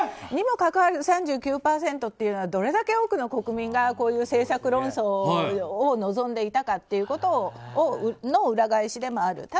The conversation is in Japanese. にもかかわらず３９％っていうのはどれだけ多くの国民がこういう政策論争を望んでいたかということの裏返しでもある。